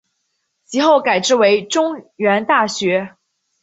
其后改制为中原大学。